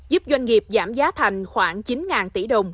giúp doanh nghiệp giảm giá thành khoảng chín tỷ đồng